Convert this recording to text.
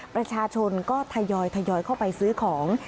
ประชาชนก็ทยอยเข้าไปซื้อของ